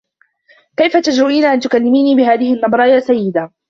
كيف تجرئين أن تكلّميني بهذه النّبرة يا سيّدة؟